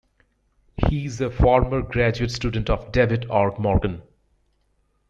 He is a former graduate student of David R. Morgan.